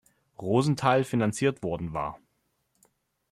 Rosenthal finanziert worden war.